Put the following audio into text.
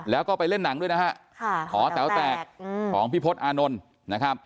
เหลือเล่นหนังด้วยนะฮะของพี่พลฟิบอชอ